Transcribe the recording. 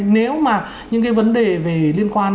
nếu mà những cái vấn đề liên quan